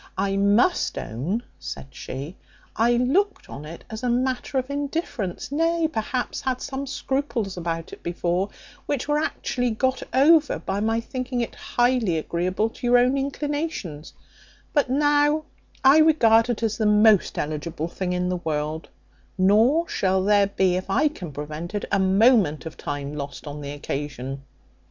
I must own," said she, "I looked on it as on a matter of indifference; nay, perhaps, had some scruples about it before, which were actually got over by my thinking it highly agreeable to your own inclinations; but now I regard it as the most eligible thing in the world: nor shall there be, if I can prevent it, a moment of time lost on the occasion."